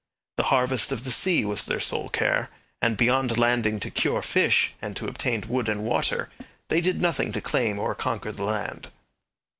The harvest of the sea was their sole care, and beyond landing to cure fish and to obtain wood and water they did nothing to claim or conquer the land.